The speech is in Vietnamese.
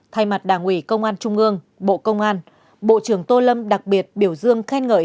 thay mặt đảng ủy công an trung ương bộ công an bộ trưởng tô lâm đặc biệt biểu dương khen ngợi